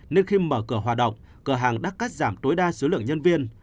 nên khi mở cửa hoạt động cửa hàng đã cắt giảm tối đa số lượng nhân viên